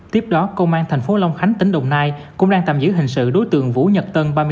tiếp đó công an thành phố long khánh tỉnh đồng nai cũng đang tạm giữ hình sự đối tượng vũ nhật tân